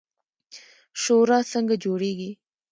شورا څنګه جوړیږي؟